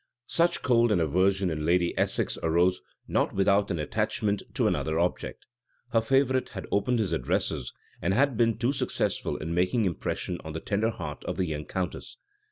Such coldness and aversion in Lady Essex arose not without an attachment to another object. The favorite had opened his addresses, and had been too successful in making impression on the tender heart of the young countess.